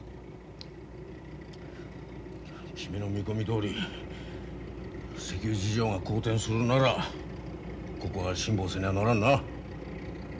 君の見込みどおり石油事情が好転するならここは辛抱せにゃならんな。